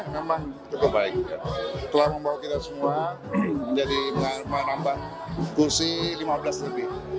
memang cukup baik telah membawa kita semua menjadi menambah kursi lima belas lebih